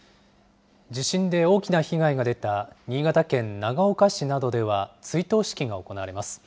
地震で大きな被害が出た新潟県長岡市などでは追悼式が行われます。